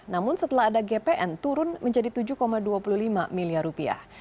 namun setelah ada gpn turun menjadi tujuh dua puluh lima miliar rupiah